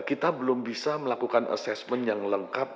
kita belum bisa melakukan assessment yang lengkap